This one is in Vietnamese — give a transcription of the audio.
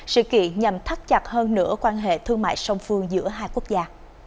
sự kiện nhằm thắt chặt hơn nửa quan hệ thương mại song phương giữa hai quốc gia